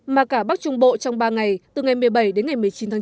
mà cả bắc trung bộ trong ba ngày từ ngày một mươi bảy đến ngày một mươi chín tháng chín